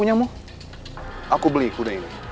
aku beli kuda ini